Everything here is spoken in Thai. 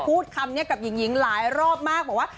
พูดคำนี้กับหญิงหลายรอบมากบอกว่า